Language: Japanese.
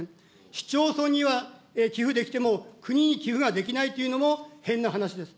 市町村には寄付できても、国に寄付ができないというのも変な話です。